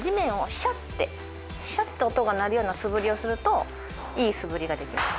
シャッて音が鳴るような素振りをするといい素振りができます。